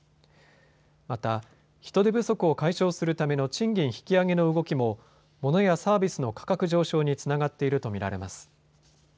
また、人手不足を解消するための賃金引き上げの動きもモノやサービスの価格上昇につながっていると見られます。